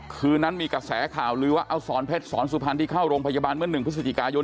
คืนนั้นมีกระแสข่าวลือว่าเอาสอนเพชรสอนสุพรรณที่เข้าโรงพยาบาลเมื่อ๑พฤศจิกายน